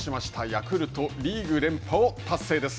ヤクルト、リーグ連覇を達成です。